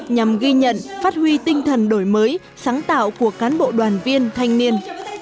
nhằm ghi nhận phát huy tinh thần đổi mới sáng tạo của cán bộ đoàn viên thanh niên